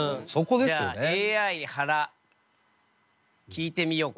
じゃあＡＩはら聞いてみようか。